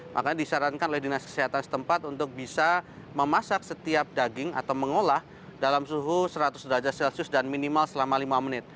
makanya disarankan oleh dinas kesehatan setempat untuk bisa memasak setiap daging atau mengolah dalam suhu seratus derajat celcius dan minimal selama lima menit